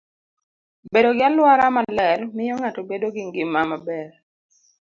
Bedo gi alwora maler miyo ng'ato bedo gi ngima maber.